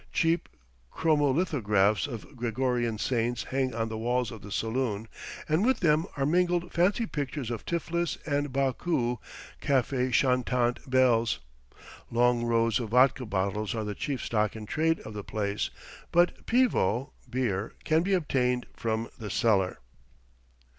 Cheap chromolithographs of Gregorian saints hang on the walls of the saloon, and with them are mingled fancy pictures of Tiflis and Baku cafe chantant belles. Long rows of vodka bottles are the chief stock in trade of the place, but "peevo" (beer) can be obtained from the cellar.